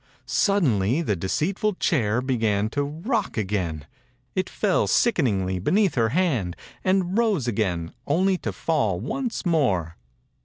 Suddenly the deceitfiil chair began to rock again. It fell sickeningly beneath her hand, and arose again, only to fall once more.